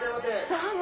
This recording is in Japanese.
どうも。